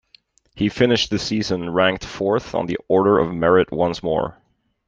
He finished the season ranked fourth on the Order of Merit once more.